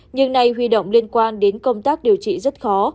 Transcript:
nhưng nay huy động liên quan đến công tác điều trị rất khó